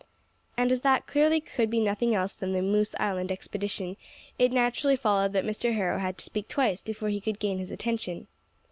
And as that clearly could be nothing else than the "Moose Island expedition," it naturally followed that Mr. Harrow had to speak twice before he could gain his attention.